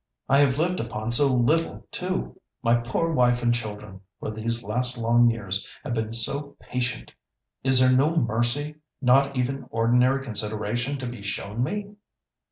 I have lived upon so little too! My poor wife and children for these last long years have been so patient! Is there no mercy, not even ordinary consideration to be shown me?"